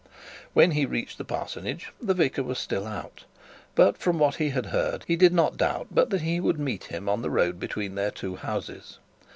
When he reached the parsonage the vicar was still out; but, from what he had heard, he did not doubt but that he would meet him on the road between their two houses.